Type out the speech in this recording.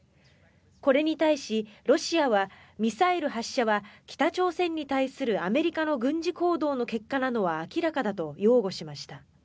これに対し、ロシアはミサイル発射は北朝鮮に対するアメリカの軍事行動の結果なのは明らかだと擁護しました。